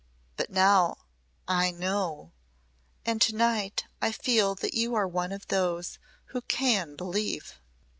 But now I know. And to night I feel that you are one of those who can believe."